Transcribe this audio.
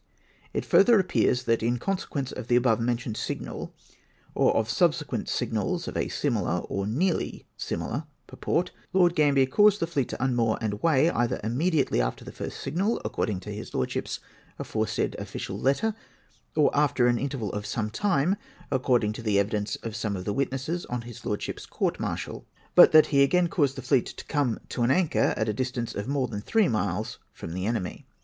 It further appears that, in consequence of the above men tioned signal, or of subsequent signals of a similar or nearly similar purport, Lord Gambler caused the fleet to unmoor and weigh, either immediately after the first signal, according to his Lordship's aforesaid official letter, or after an interval of some time, according to tlie evidence of some of the Avit nesses on his Lordship's court martial : but that he again caused the fleet to come to an anchor at a distance of more than three miles from the enemy.